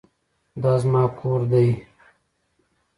دا زما کور دی.